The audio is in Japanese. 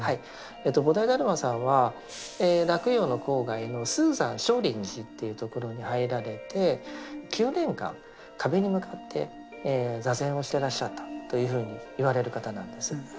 菩提達磨さんは洛陽の郊外の嵩山少林寺というところに入られて９年間壁に向かって座禅をしてらっしゃったというふうにいわれる方なんです。